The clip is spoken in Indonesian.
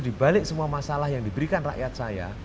dibalik semua masalah yang diberikan rakyat saya